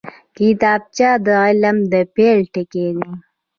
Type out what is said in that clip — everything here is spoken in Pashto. کتابچه د علم د پیل ټکی دی